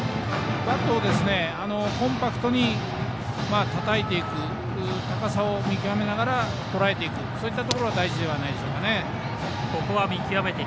バットをコンパクトにたたいていく高さを見極めながらとらえていくというところが大事ではないでしょうか。